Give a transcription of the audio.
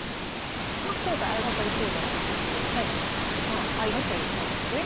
まあ今回相掛かり講座ということでまあ相掛かりなんですよね？